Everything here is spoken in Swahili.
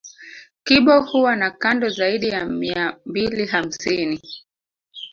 Kibo huwa na kando zaidi ya mia mbili hamsini